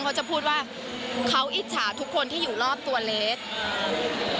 เขาจะพูดว่าเขาอิจฉาทุกคนที่อยู่รอบตัวเล็ก